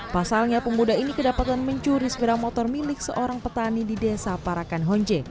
pasalnya pemuda ini kedapatan mencuri sepeda motor milik seorang petani di desa parakan honje